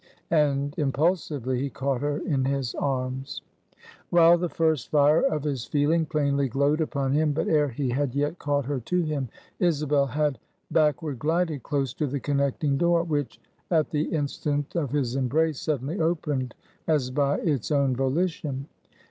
And impulsively he caught her in his arms. While the first fire of his feeling plainly glowed upon him, but ere he had yet caught her to him, Isabel had backward glided close to the connecting door; which, at the instant of his embrace, suddenly opened, as by its own volition.